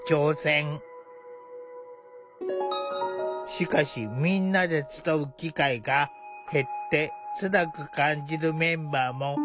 しかしみんなで集う機会が減ってつらく感じるメンバーも出始めた。